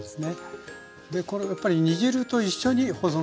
でこれやっぱり煮汁と一緒に保存する。